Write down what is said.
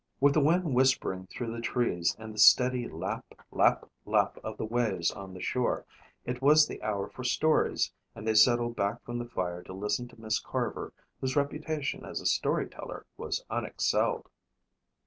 With the wind whispering through the trees and the steady lap, lap, lap of the waves on the shore, it was the hour for stories and they settled back from the fire to listen to Miss Carver, whose reputation as a story teller was unexcelled.